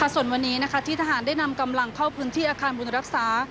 ส่วนวันนี้ที่ทหารได้นำกำลังเข้าพื้นที่อาคารบุญรักษา